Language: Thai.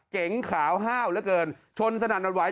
เก๋งขาวฮาวละเกินชนสนั่นอัดไหว